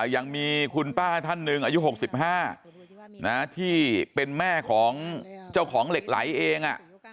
ยังมีคุณป้าท่านหนึ่งอายุ๖๕ที่เป็นแม่ของเจ้าของเหล็กไหลเอง